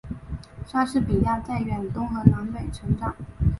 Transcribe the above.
莎士比亚在远东和南美成长。